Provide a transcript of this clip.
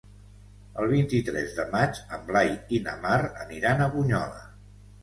El vint-i-tres de maig en Blai i na Mar aniran a Bunyola.